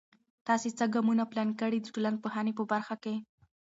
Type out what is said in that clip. تاسې څه ګامونه پلان کړئ د ټولنپوهنې په برخه کې؟